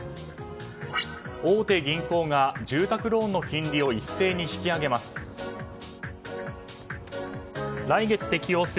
大手銀行が住宅ローンの金利を一斉に引き上げます。